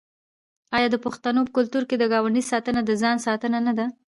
آیا د پښتنو په کلتور کې د ګاونډي ساتنه د ځان ساتنه نه ده؟